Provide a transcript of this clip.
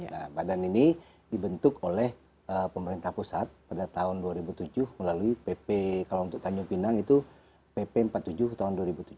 nah badan ini dibentuk oleh pemerintah pusat pada tahun dua ribu tujuh melalui pp kalau untuk tanjung pinang itu pp empat puluh tujuh tahun dua ribu tujuh belas